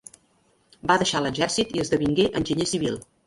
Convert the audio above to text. Va deixar l'exèrcit, i esdevingué enginyer civil.